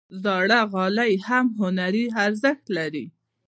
زاړه غالۍ هم هنري ارزښت لري.